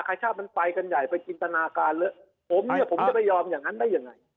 ไอ้ชาติมันไปกันใหญ่ไปจินตนาการเลยผมเนี่ยผมจะไม่ยอมอย่างนั้นได้ยังไง